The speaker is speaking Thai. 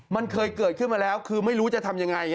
มันเคยเกิดขึ้นมาแล้วคือไม่รู้จะทำยังไง